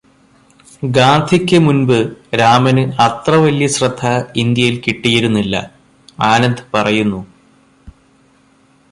ഗാന്ധിക്ക് മുന്പ് രാമന് അത്ര വലിയ ശ്രദ്ധ ഇന്ത്യയില് കിട്ടിയിരുന്നില്ല," ആനന്ദ് പറയുന്നു.